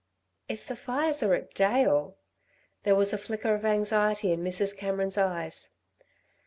"If the fires are at Dale " There was a flicker of anxiety in Mrs. Cameron's eyes.